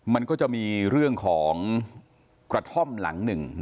มันก็จะมีเรื่องของกระท่อมหลังหนึ่ง